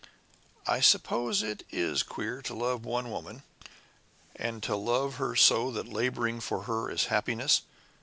"I suppose it is queer to love one woman and to love her so that laboring for her is happiness!